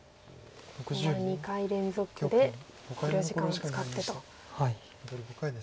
今２回連続で考慮時間を使ってと。